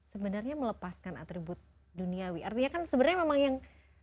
sebenarnya melepaskan atribut duniawi artinya kan sebenarnya memang yang